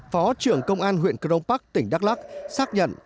phó trưởng công an huyện crong park tỉnh đắk lắc xác nhận